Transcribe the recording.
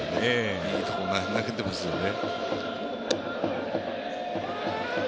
いいところに投げてますよね。